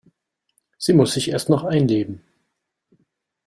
Sie muss sich erst noch einleben.